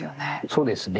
そうですね。